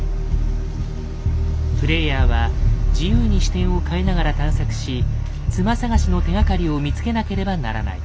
プレイヤーは自由に視点を変えながら探索し妻探しの手がかりを見つけなければならない。